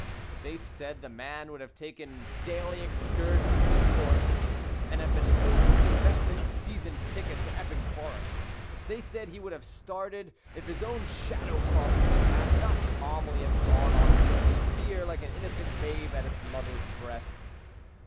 They said the man would have taken daily excursions to the corpse, and have been forced to invest in a season ticket to Epping Forest; they said he would have started if his own shadow crossed his path, not calmly have gone on drinking beer like an innocent babe at its mother's breast.